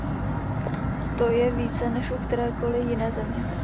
To je více než u kterékoli jiné země.